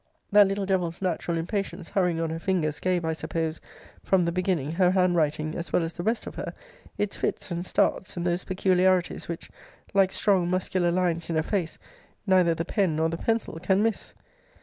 That little devil's natural impatience hurrying on her fingers, gave, I suppose, from the beginning, her handwriting, as well as the rest of her, its fits and starts, and those peculiarities, which, like strong muscular lines in a face, neither the pen, nor the pencil, can miss.